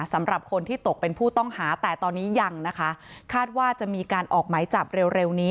สำหรับคนที่ตกเป็นผู้ต้องหาแต่ตอนนี้ยังนะคะคาดว่าจะมีการออกไหมจับเร็วนี้